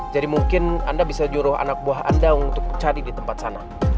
jadi mungkin anda bisa juru anak buah anda untuk cari di tempat sana